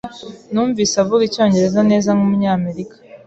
Numvise avuga icyongereza neza nkumunyamerika.